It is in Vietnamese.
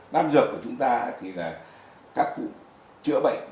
nam dược của chúng ta thì là các cụ chữa bệnh